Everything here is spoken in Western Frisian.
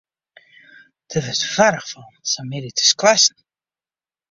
Dêr wurdst warch fan, sa'n middei te squashen.